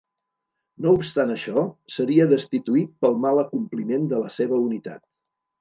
No obstant això, seria destituït pel mal acompliment de la seva unitat.